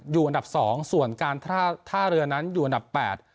อยู่อันดับสองส่วนการท่าท่าเรือนั้นอยู่อันดับแปด